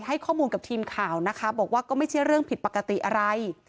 ให้ข้อมูลกับทีมข่าวนะคะบอกว่าก็ไม่ใช่เรื่องผิดปกติอะไร